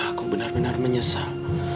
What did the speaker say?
aku benar benar menyesal